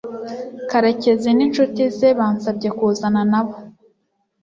karekezi n'inshuti ze bansabye kuzana nabo